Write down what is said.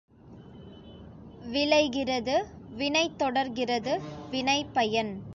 விளைகிறது வினை தொடர்கிறது வினைப்பயன்.